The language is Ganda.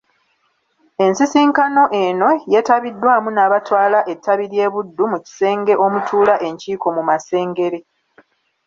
Ensisinkano eno yeetabiddwamu n’abatwala ettabi ly’e Buddu mu kisenge omutuula enkiiko mu Masengere.